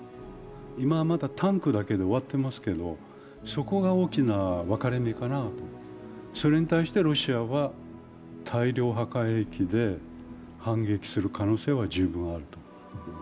今はまだタンクだけで終わっていますけどそこが大きな分かれ目かな、それに対してロシアは大量破壊兵器で反撃する可能性は十分あると思います。